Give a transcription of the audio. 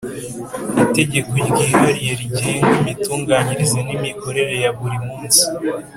Itegeko ryihariye rigenga imitunganyirize n imikorere ya buri munsi